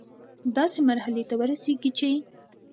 داسي مرحلې ته ورسيږي چي